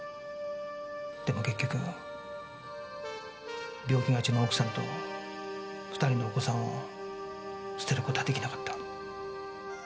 でも結局病気がちの奥さんと２人のお子さんを捨てる事は出来なかった。